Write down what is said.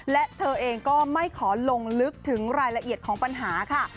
และเธอเองก็ไม่ขอลงลึกถึงรายละเอียดของปัญหาค่ะ